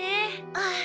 ああ。